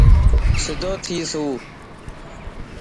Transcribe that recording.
سڌو ٿي سو.